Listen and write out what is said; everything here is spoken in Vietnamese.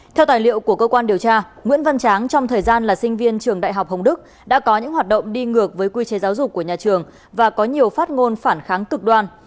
theo tài liệu của cơ quan điều tra nguyễn văn tráng trong thời gian là sinh viên trường đại học hồng đức đã có những hoạt động đi ngược với quy chế giáo dục của nhà trường và có nhiều phát ngôn phản kháng cực đoan